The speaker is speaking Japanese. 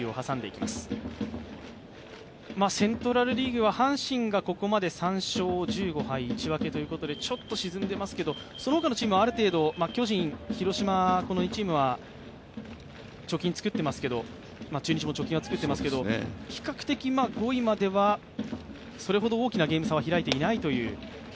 セントラル・リーグは阪神がここまで３勝１５敗１分けとちょっと沈んでますけど、そのほかのチームはある程度、巨人・広島の２チームは貯金を作っていますけれども、中日も貯金は作っていますけれども、比較的５位まではそれほど大きなゲーム差は開いていないという。